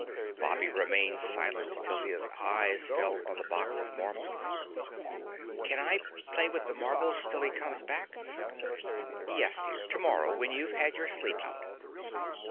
Bobby remained silent till his eyes fell on the box of marbles. "Can I play with the marbles till he comes back?" "Yes, dear, tomorrow when you've had your sleep out."